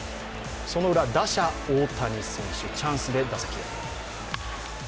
そのウラ、打者・大谷選手、チャンスで打席へ。